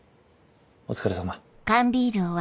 お疲れさま。